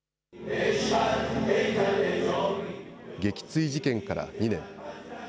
撃墜事件から２年。